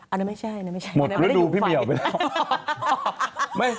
อันนั้นไม่ใช่อันนั้นไม่ใช่อันนั้นไม่ได้อยู่ไฟหมดฤดูพี่เหมียวไปแล้ว